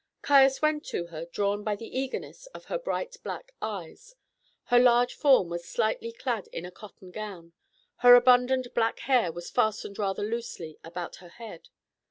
Caius went to her, drawn by the eagerness of her bright black eyes. Her large form was slightly clad in a cotton gown; her abundant black hair was fastened rather loosely about her head.